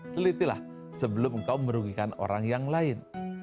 telitilah sebelum engkau merugikan orang yang lain